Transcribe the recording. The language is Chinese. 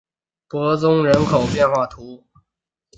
伯宗人口变化图示